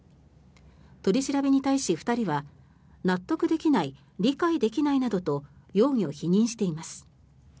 取り調べに対し、２人は納得できない理解できないなどと容疑を否認しています。